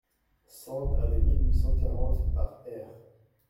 Sand avant mille huit cent quarante, par R.